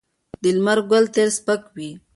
د لمر ګل تېل سپک وي.